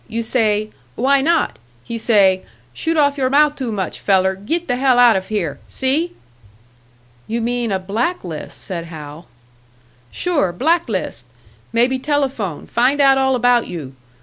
You say, 'Why not?' He say, 'Shoot off your mouth too much, feller. Git the hell out of here!' See?" "You mean a black list," said Hal. "Sure, black list. Maybe telephone, find out all about you.